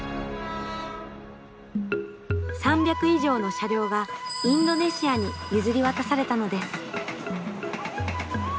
３００以上の車両がインドネシアに譲り渡されたのです。